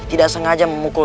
tidak sengaja memukul